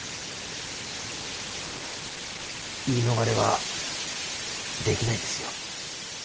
言い逃れはできないですよ。